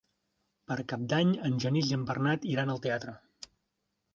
Per Cap d'Any en Genís i en Bernat iran al teatre.